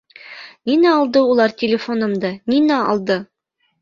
Ниңә алды улар телефонымды, ниңә алды?